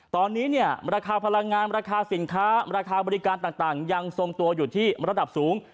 ตอนนี้เนี่ยราคาพลังงานราคาสินค้าราคาบริการต่างยังทรงตัวอยู่ที่ระดับสูง